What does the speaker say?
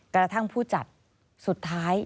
กระทั่งผู้จัดสุดท้าย